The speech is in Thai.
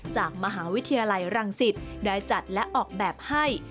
จากมหาวิทยาลัยรังสิตได้จัดและออกแบบให้